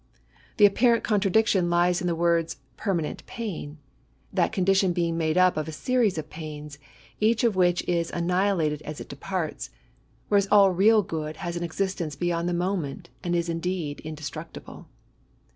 The apparent contradiction lies in the words *^ permanent pain" — that condition being made up of a series of pains, each of which is annihilated as it departs ; whereas all real good has an existence beyond the moment, and is indeed indestructible.